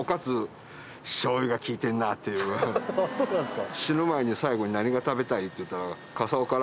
そうなんすか。